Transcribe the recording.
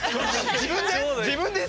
自分で？